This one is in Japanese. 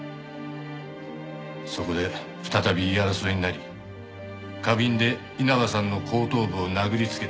そこで再び言い争いになり花瓶で稲葉さんの後頭部を殴りつけた。